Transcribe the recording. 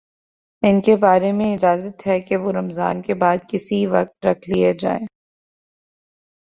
ان کے بارے میں اجازت ہے کہ وہ رمضان کے بعد کسی وقت رکھ لیے جائیں